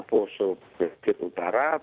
pusuh pesisir utara